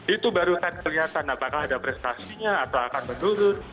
itu baru akan kelihatan apakah ada prestasinya atau akan menurun